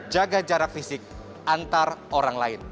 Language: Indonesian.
jaga jarak fisik antar orang lain